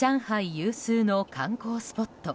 有数の観光スポット